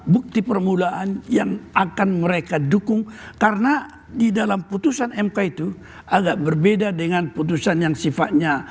bukti permulaan yang akan mereka dukung karena di dalam putusan mk itu agak berbeda dengan putusan yang sifatnya